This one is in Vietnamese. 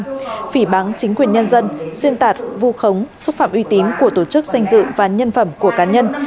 phỉ bắn chính quyền nhân dân xuyên tạc vu khống xúc phạm uy tín của tổ chức danh dự và nhân phẩm của cá nhân